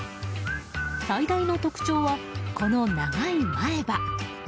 最大の特徴は、この長い前歯。